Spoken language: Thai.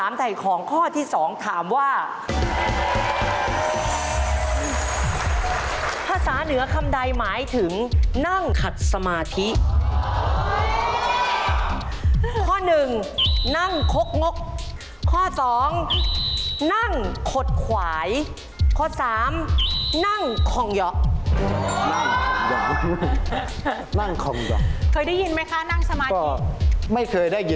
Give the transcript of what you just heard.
นั่งขดขวายนะครับหมายถึงนั่งของสมาธิ